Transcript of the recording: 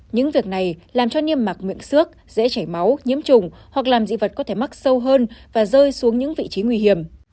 những việc này làm cho niêm mạc miệng xước dễ chảy máu nhiễm trùng hoặc làm dị vật có thể mắc sâu hơn và rơi xuống những vị trí nguy hiểm